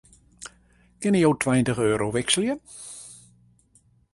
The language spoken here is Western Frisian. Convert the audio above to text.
Kinne jo tweintich euro wikselje?